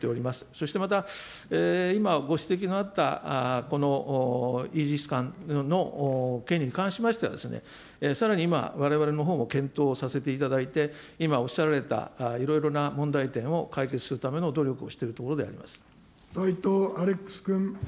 そしてまた今、ご指摘のあったこのイージス艦の件に関しましては、さらに今、われわれのほうも検討をさせていただいて、今おっしゃられたいろいろな問題点を解決するための努力をしてい斎藤アレックス君。